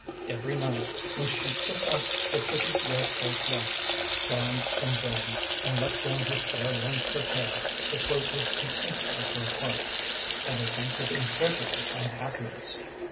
Every night, when she took off the pretty, red silk waist, donned in vain, and let down her fair lengths of hair, it was with a sinking of her heart, and a sense of incredulous unhappiness.